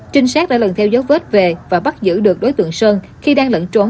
trinh sát đã lần theo dấu vết về và bắt giữ được đối tượng sơn khi đang lẫn trốn